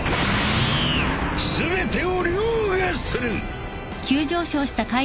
全てを凌駕する！